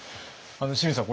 清水さん